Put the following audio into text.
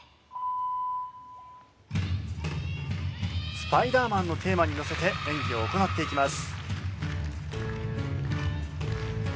『スパイダーマンのテーマ』にのせて演技を行っていきます。